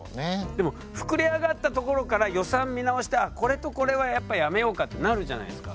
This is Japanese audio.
でも膨れ上がった所から予算見直して「あっこれとこれはやっぱやめようか」ってなるじゃないですか。